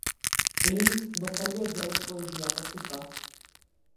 Линк до првиот дел од поезијата тука.